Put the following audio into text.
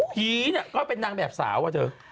ผีก็เป็นนางแบบสาว